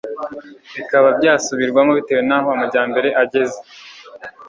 bikaba byasubirwamo bitewe n'aho amajyambere ageze